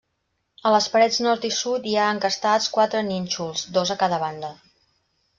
A les parets nord i sud hi ha encastats quatre nínxols, dos a cada banda.